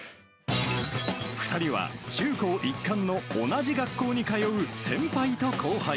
２人は中高一貫の同じ学校に通う先輩と後輩。